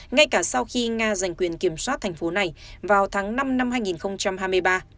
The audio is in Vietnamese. ngay cả sau khi nga giành quyền kiểm soát thành phố này vào tháng năm năm hai nghìn hai mươi ba